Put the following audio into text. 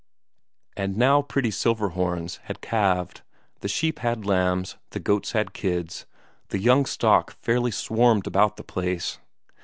And now pretty Silverhorns had calved, the sheep had lambs, the goats had kids, the young stock fairly swarmed about the place.